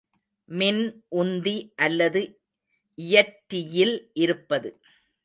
மின்உந்தி அல்லது இயற்றியில் இருப்பது.